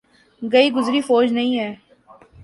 گئی گزری فوج نہیں ہے۔